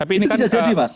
itu bisa jadi mas